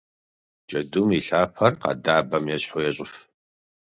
Джэдум и лъапэр къэдабэм ещхьу ещӏыф.